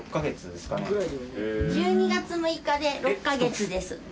１２月６日で６カ月です。